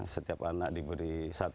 setiap anak diberi